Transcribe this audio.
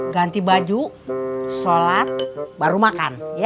ganti baju sholat baru makan